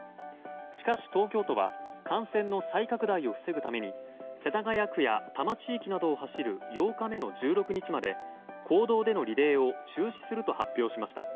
しかし、東京都は感染の再拡大を防ぐために世田谷区や多摩地域などを走る８日目の１６日まで公道でのリレーを中止すると発表しました。